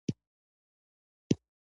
پنېر د روغتیا ارزښت لري.